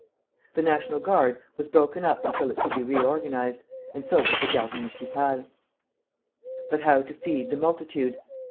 The National Guard was broken up until it could be reorganized, and so was the Garde Municipale. But how to feed the multitude?